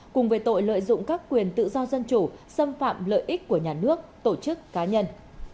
cùng về tội lợi dụng các quyền tự do dân chủ xâm phạm lợi ích của nhà nước tổ chức cá nhân